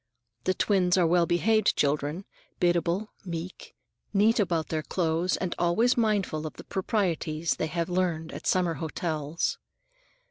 The twins are well behaved children, biddable, meek, neat about their clothes, and always mindful of the proprieties they have learned at summer hotels.